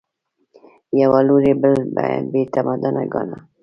یوه لوري بل بې تمدنه ګاڼه